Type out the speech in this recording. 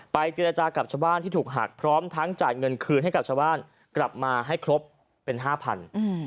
เจรจากับชาวบ้านที่ถูกหักพร้อมทั้งจ่ายเงินคืนให้กับชาวบ้านกลับมาให้ครบเป็น๕๐๐บาท